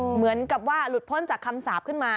เหมือนกับว่าหลุดพ้นจากคำสาปขึ้นมา